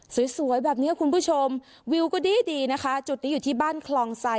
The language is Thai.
สวยสวยแบบนี้คุณผู้ชมวิวก็ดีดีนะคะจุดนี้อยู่ที่บ้านคลองไซด